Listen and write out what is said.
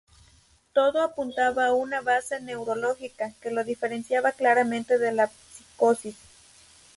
Todo apuntaba a una base neurológica, que lo diferenciaba claramente de las psicosis.